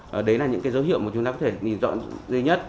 và đấy là những cái dấu hiệu mà chúng ta có thể nhìn rõ duy nhất